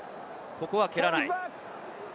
ここは蹴らない。